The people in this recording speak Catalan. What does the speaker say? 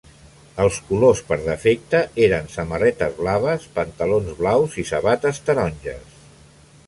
Els colors per defecte eren samarretes blaves, pantalons blaus i sabates taronges.